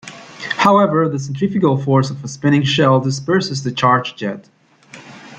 However, the centrifugal force of a spinning shell disperses the charge jet.